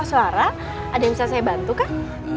suara ada yang bisa saya bantu kah